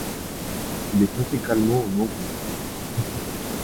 Il est intégralement en anglais.